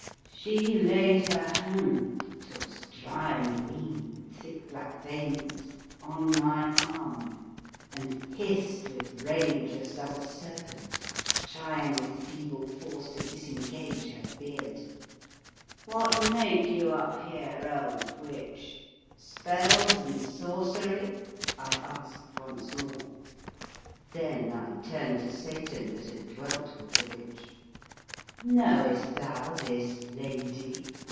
She laid her hand — 'twas dry and lean, with thick black veins — on my arm, and hissed with rage as does a serpent, trying with feeble force to disengage her beard. " What make you up here, old witch, spells and sorcery? " I asked once more. Then I turned to Satan that had dwelt with the witch: " Knowest thou this lady?